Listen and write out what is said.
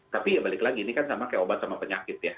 tapi ya balik lagi ini kan sama kayak obat sama penyakit ya